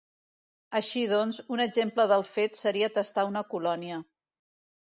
Així doncs, un exemple del fet, seria testar una colònia.